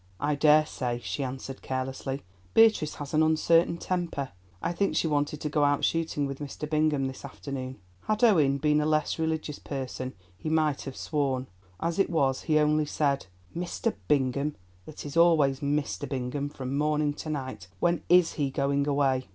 "I daresay," she answered carelessly; "Beatrice has an uncertain temper. I think she wanted to go out shooting with Mr. Bingham this afternoon." Had Owen been a less religious person he might have sworn; as it was, he only said, "Mr. Bingham—it is always Mr. Bingham from morning to night! When is he going away?"